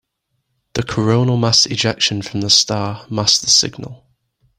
The coronal mass ejection from the star masked the signal.